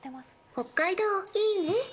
北海道、いいね。